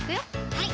はい